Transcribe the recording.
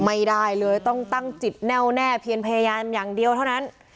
ไม่ได้เลยต้องตั้งจิตแน่วแน่เพียงพยายามอย่างเดียวเท่านั้น